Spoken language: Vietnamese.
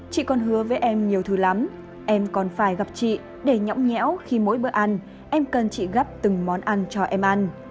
chị còn hứa với em nhiều thứ lắm em còn phải gặp chị để nhõm nhẽo khi mỗi bữa ăn em cần chị gắp từng món ăn cho em ăn